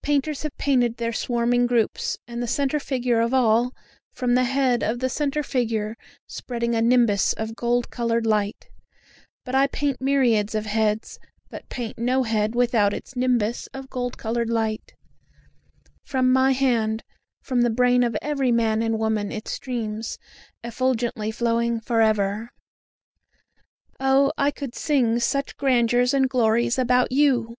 Painters have painted their swarming groups, and the centre figure of all, From the head of the centre figure spreading a nimbus of gold coloured light; But I paint myriads of heads, but paint no head without its nimbus of gold coloured light; From my hand, from the brain of every man and woman, it streams, effulgently flowing for ever. O I could sing such grandeurs and glories about you!